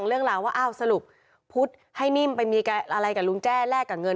เรื่องราวว่าอ้าวสรุปพุทธให้นิ่มไปมีอะไรกับลุงแจ้แลกกับเงิน